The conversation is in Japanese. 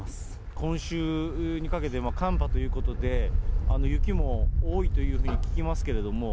今週にかけて寒波ということで、雪も多いというふうに聞きますけれども。